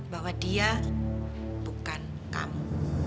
bahwa dia bukan kamu